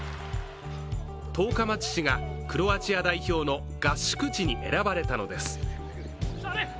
十日町市がクロアチア代表の合宿地に選ばれたのです。